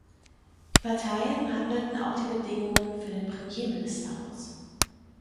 Die Parteien handelten auch die Bedingungen für den Premierminister aus.